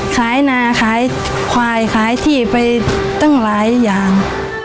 นาขายควายขายที่ไปตั้งหลายอย่าง